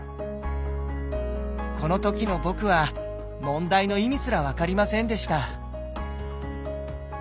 この時の僕は問題の意味すら分かりませんでした。